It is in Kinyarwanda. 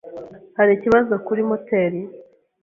Hari ikibazo kuri moteri?